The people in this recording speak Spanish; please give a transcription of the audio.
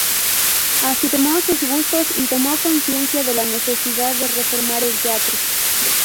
Afirmó sus gustos y tomó conciencia de la necesidad de reformar el teatro.